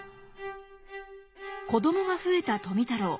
子どもが増えた富太郎。